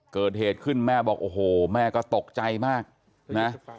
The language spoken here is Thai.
เกิดเหตุขึ้นแม่บอกโอ้โหแม่ก็ตกใจมากนะ